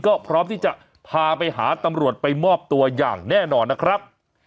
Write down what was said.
ก็พร้อมที่จะพาไปหาตำรวจไปมอบตัวอย่างแน่นอนนะครับ